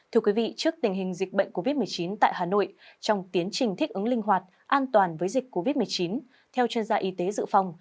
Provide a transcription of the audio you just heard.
thưa quý vị trước tình hình dịch bệnh covid một mươi chín tại hà nội trong tiến trình thích ứng linh hoạt an toàn với dịch covid một mươi chín theo chuyên gia y tế dự phòng